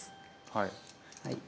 はい。